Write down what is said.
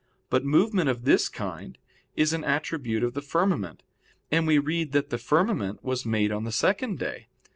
But movement of this kind is an attribute of the firmament, and we read that the firmament was made on the second day.